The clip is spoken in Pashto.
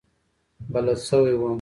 بلد شوی وم.